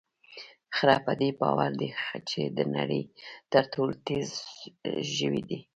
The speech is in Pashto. خره په دې باور دی چې د نړۍ تر ټولو تېز ژوی دی.